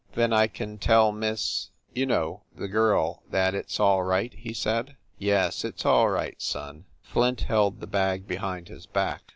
"Then I can tell Miss you know, the girl, that it s all right?" he said. "Yes, it s all right, son." Flint held the bag be hind his back.